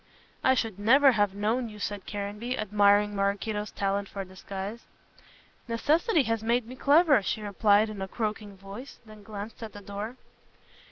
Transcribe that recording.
"I should never have known you," said Caranby, admiring Maraquito's talent for disguise. "Necessity has made me clever," she replied in a croaking voice, and glanced at the door.